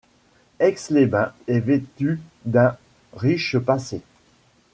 Aix-les-Bains est vêtue d'un riche passé.